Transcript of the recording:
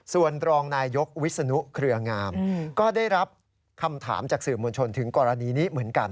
ส่วนรองนายยกวิศนุเครืองามก็ได้รับคำถามจากสื่อมวลชนถึงกรณีนี้เหมือนกัน